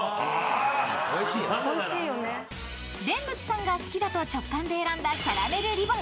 ［蓮佛さんが好きだと直感で選んだキャラメルリボン］